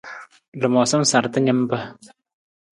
Lamoosam sarta nimpa.